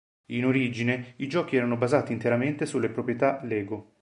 In origine, i giochi erano basati interamente sulle proprietà Lego.